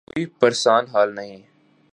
دیہی آبادی کا کوئی پرسان حال نہیں۔